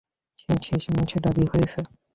সে শেষমেশ রাজি হয়েছে।